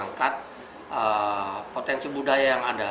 mengangkat potensi budaya yang ada